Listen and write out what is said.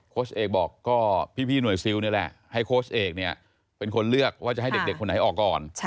เอกบอกก็พี่หน่วยซิลนี่แหละให้โค้ชเอกเนี่ยเป็นคนเลือกว่าจะให้เด็กคนไหนออกก่อน